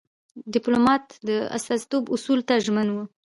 ډيپلومات د استازیتوب اصولو ته ژمن وي.